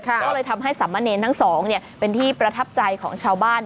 ก็เลยทำให้สามเณรทั้งสองเป็นที่ประทับใจของชาวบ้าน